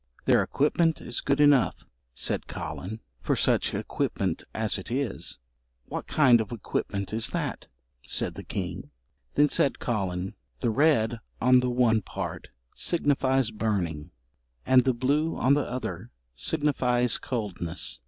"Their equipment is good enough," said Collen, "for such equipment as it is." "What kind of equipment is that?" said the king. Then said Collen, "The red on the one part signifies burning, and the blue on the other signifies coldness."